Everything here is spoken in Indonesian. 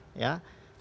tidak satu perspektif